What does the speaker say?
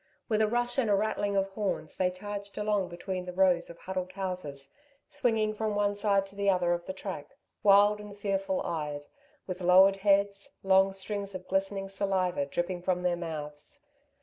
With a rush and a rattling of horns, they charged along between the rows of huddled houses, swinging from one side to the other of the track, wild and fearful eyed, with lowered heads, long strings of glistening saliva dripping from their mouths.